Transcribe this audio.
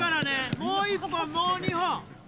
もう１本、もう２本。